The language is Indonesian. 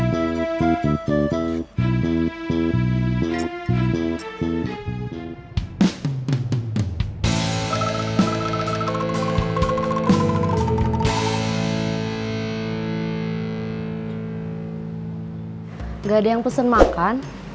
tidak ada yang pesen makan